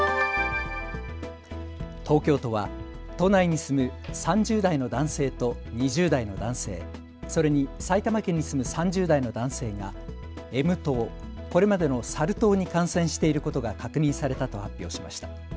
東京都は都内に住む３０代の男性と２０代の男性、それに埼玉県に住む３０代の男性がＭ痘、これまでのサル痘に感染していることが確認されたと発表しました。